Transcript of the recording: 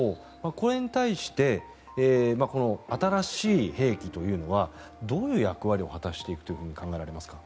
これに対して新しい兵器というのはどういう役割を果たしていくと考えられますか？